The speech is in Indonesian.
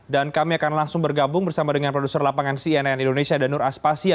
dan kami akan langsung bergabung bersama dengan produser lapangan cnn indonesia danur aspasya